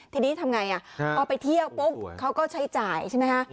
ทีนี้ทำไงพอไปเที่ยวปุ๊บเขาก็ใช้จ่ายใช่ไหมคะ